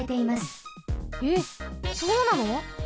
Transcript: えっそうなの？